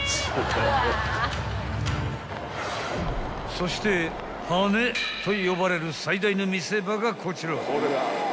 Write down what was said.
［そしてハネと呼ばれる最大の見せ場がこちら］